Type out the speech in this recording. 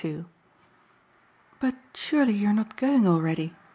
II "But surely you're not going already?"